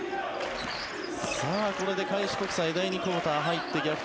これで開志国際第２クオーター入って逆転